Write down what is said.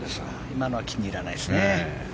今のは気に入らないですね。